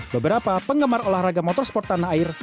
beberapa penggemar olahraga motorsport tanah air